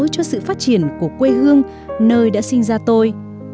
cho sự phát triển của quê hương nơi đã sinh ra tôi